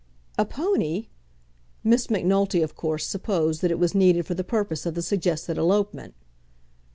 "A pony!" Miss Macnulty of course supposed that it was needed for the purpose of the suggested elopement.